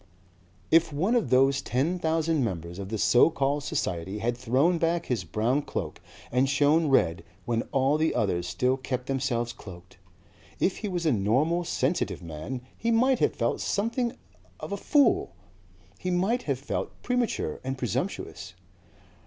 "If one of those ten thousand members of the Sokol Society had thrown back his brown cloak and shown red when all the others still kept them selves cloaked if he was a normal sensitive man he might have felt something of a fool. He might have felt premature and presumptuous.